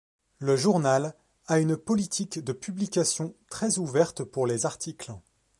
Le journal a une politique de publication très ouverte pour les articles.